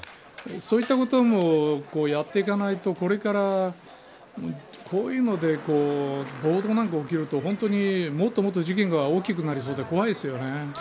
そういったこともやっていかないとこれから、こういうので暴動なんかが起きるともっともっと事件が大きくなりそうで怖いですよね。